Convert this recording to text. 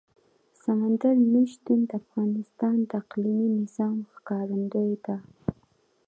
سمندر نه شتون د افغانستان د اقلیمي نظام ښکارندوی ده.